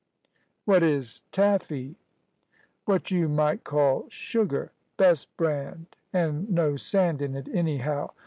"What is taffy?" "What you might call sugar best brand, an' no sand in it, anyhow.